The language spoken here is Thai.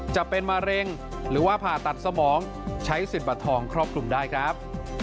จะเป็นมะเร็งหรือว่าผ่าตัดสมองใช้สิทธิ์บัตรทองครอบคลุมได้ครับ